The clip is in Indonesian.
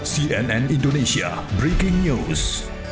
sianian indonesia breaking news